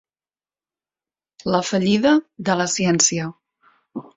La fallida de la ciència.